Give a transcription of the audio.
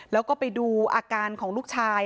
แล้วก็ไปดูอาการของลูกชาย